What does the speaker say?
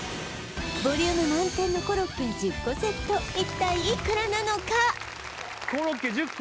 ボリューム満点のコロッケ１０個セットコロッケ１０個？